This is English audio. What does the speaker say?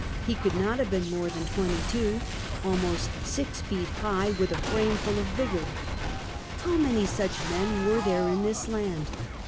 — he could not have been more than twenty two, almost six feet high, with a frame full of vigor. How many such men were there in this land?